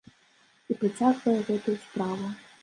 І працягвае гэтую справу.